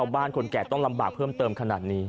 บ้านคนแก่ต้องลำบากเพิ่มเติมขนาดนี้